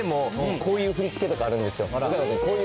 こういう振り付けとかあるんですよ。